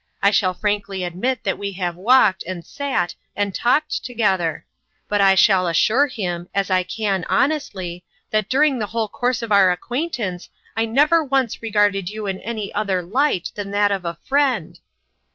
I shall frankly admit that we have walked, and sat, and talked together ; but I shall assure him, as I can hon estly, that during the whole course of our ac quaintance I have never once regarded you in any other light but that of a friend."